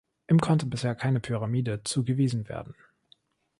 Ihm konnte bisher keine Pyramide zugewiesen werden.